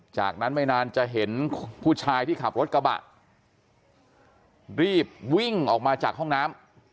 จากนั้นไม่นานจะเห็นผู้ชายที่ขับรถกระบะรีบวิ่งออกมาจากห้องน้ำ